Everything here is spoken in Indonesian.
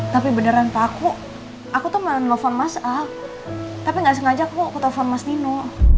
tapi beneran pak aku tuh mau nelfon mas al tapi gak sengaja kok aku nelfon mas nino